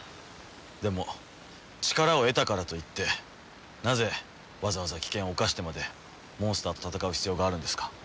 でも力を得たからといってなぜわざわざ危険を冒してまでモンスターと戦う必要があるんですか？